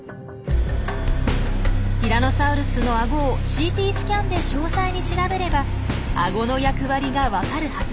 ティラノサウルスのアゴをＣＴスキャンで詳細に調べればアゴの役割が分かるはず。